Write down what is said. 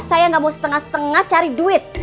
saya nggak mau setengah setengah cari duit